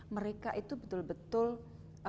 mereka itu betul betul tantangannya sangat besar